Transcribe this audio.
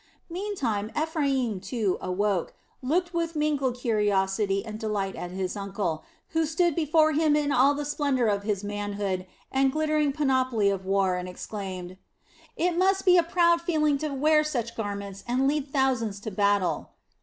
Meantime Ephraim, too, awoke, looked with mingled curiosity and delight at his uncle, who stood before him in all the splendor of his manhood and glittering panoply of war, and exclaimed: "It must be a proud feeling to wear such garments and lead thousands to battle."